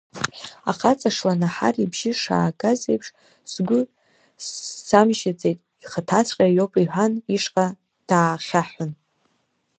Ахаҵа шла Наҳар ибжьы шаагаз еиԥш, сгәы самжьаӡеит, ихаҭаҵәҟьа иоуп иҳәан, ишҟа даахьаҳәын…